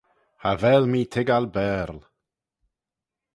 Cha vel mee toiggal Baarle.